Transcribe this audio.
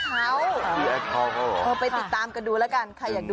หอวเสียเขาขรึอค่ะไปติดตามกันดูแล้วกัน